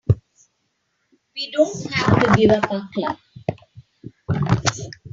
We don't have to give up our club.